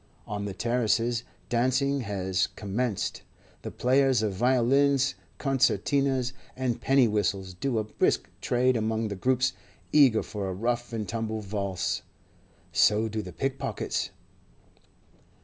On the terraces dancing has commenced; the players of violins, concertinas, and penny whistles do a brisk trade among the groups eager for a rough and tumble valse; so do the pickpockets.